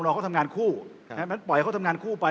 เขาทำงานคู่นั้นปล่อยเขาทำงานคู่ไป